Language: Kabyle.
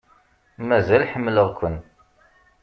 Mazal ḥemmleɣ-ken.